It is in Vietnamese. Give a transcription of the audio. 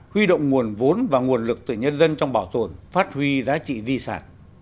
huy động nguồn vốn và nguồn lực từ nhân dân trong bảo tồn phát huy giá trị di sản